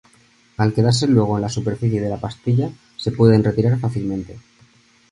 Al quedarse luego en la superficie de la pastilla se pueden retirar fácilmente.